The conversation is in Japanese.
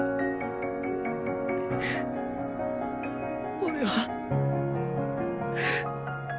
俺は。